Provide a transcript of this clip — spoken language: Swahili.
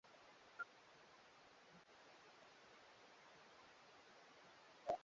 Mpango wa Taifa wa Maendeleo uelewa wake wa serikali na ubobezi wake kama mchumi